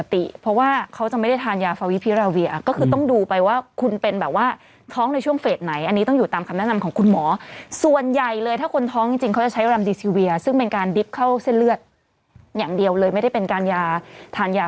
แล้วค่อยเยี่ยมพวกประชาชนเพราะว่าเหมือนกับท่านกำลังไปเป็นประธานนะฮะ